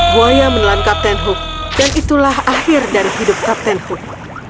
buaya menelan kapten hook dan itulah akhir dari hidup kapten hook